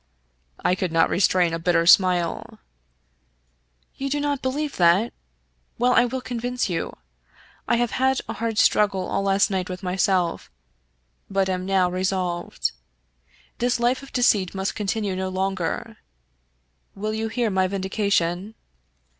I could not restrain a bitter smile. "You do not believe that? Well, I will convince you. I have had a hard struggle all last night with myself, but am now resolved. This life of deceit must continue no longer. Will you hear my vindication?"